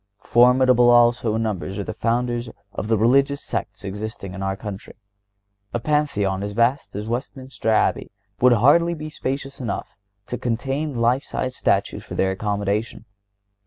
Formidable also in numbers are the Founders of the religious sects existing in our country. A Pantheon as vast as Westminster Abbey would hardly be spacious enough to contain life sized statues for their accommodation.